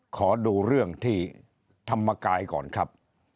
ขอดูเรื่องที่ธรรมกายก่อนครับ